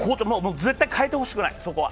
絶対変えてほしくない、そこは。